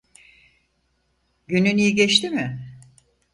Günün iyi geçti mi?